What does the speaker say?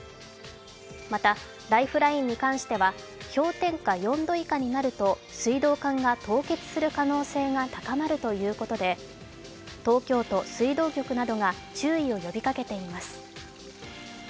またライフラインに関しては氷点下４度以下になると水道管が凍結する可能性が高まるということで東京都水道局などが注意を呼びかけています。